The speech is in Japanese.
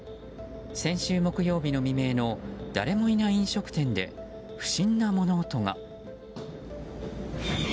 先週木曜日の未明の誰もいない飲食店で不審な物音が。